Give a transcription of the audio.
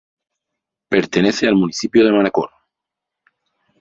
Pertenece al municipio de Manacor.